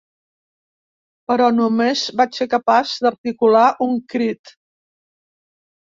Però només vaig ser capaç d'articular un crit.